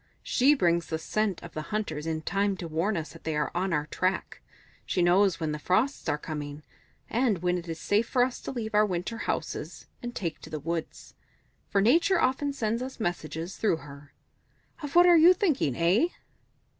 She brings the scent of the hunters in time to warn us that they are on our track; she knows when the frosts are coming, and when it is safe for us to leave our winter houses and take to the woods. For Nature often sends us messages through her. Of what are you thinking? Eh?"